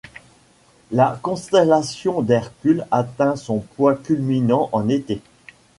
La constellation d'Hercule atteint son point culminant en été.